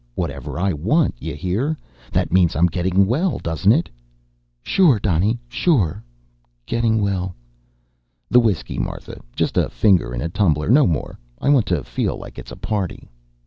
Whatever I want, you hear? That means I'm getting well, doesn't it?" "Sure, Donny, sure. Getting well." "The whiskey, Martha. Just a finger in a tumbler, no more. I want to feel like it's a party."